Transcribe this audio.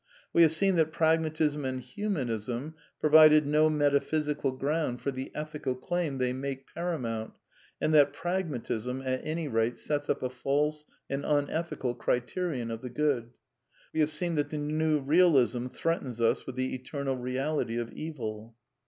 We have seen that Pragmatism and Humanism provided no metaphy sical ground for the ethical claim they make paramount, and that Pragmatism, at any rate, sets up a false and unethical criterion of the Good. We have seen that the New Kealism threatens us with the eternal reality of evil.